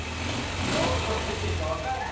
どう捉えていいか分かんない。